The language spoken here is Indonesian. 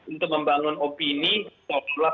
untuk membangun opini soal